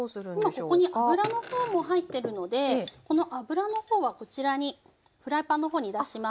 今ここに油の方も入ってるのでこの油の方はこちらにフライパンの方に出します。